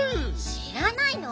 しらないの？